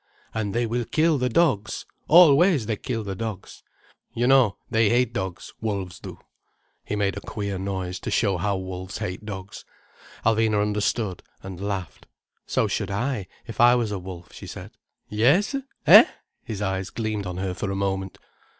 "And they will kill the dogs! Always they kill the dogs. You know, they hate dogs, wolves do." He made a queer noise, to show how wolves hate dogs. Alvina understood, and laughed. "So should I, if I was a wolf," she said. "Yes—eh?" His eyes gleamed on her for a moment.